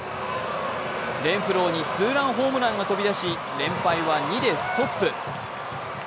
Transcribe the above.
レンフローにツーランホームランが飛び出し、連敗は２でストップ。